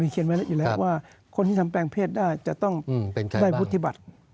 เขียนไว้เลยอยู่แล้วว่าคนที่ทำแปลงเพศได้จะต้องอืมเป็นใครบ้างวุฒิบัติ